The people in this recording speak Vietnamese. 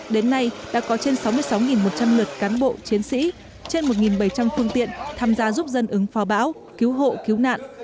đến nay đã có trên sáu mươi sáu một trăm linh lượt cán bộ chiến sĩ trên một bảy trăm linh phương tiện tham gia giúp dân ứng phó bão cứu hộ cứu nạn